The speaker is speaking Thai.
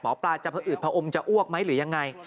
หมอปลาจะผอืดผอมจะอ้วกไหมหรือยังไง